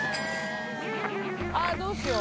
あっどうしよう。